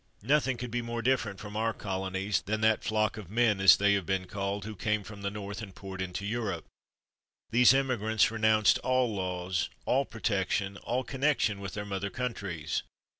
Nothing could be more different from our colonies than that flock of men, as they have been called, who came from the North and poured into Europe. Those emigrants re nounced all laws, all protection, all connection with their mother countries.